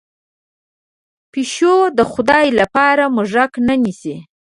پشو د خدای لپاره موږک نه نیسي.